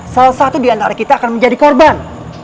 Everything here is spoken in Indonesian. salah satu di antara kita akan menjadi korban